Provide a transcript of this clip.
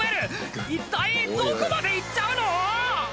一体どこまで行っちゃうの⁉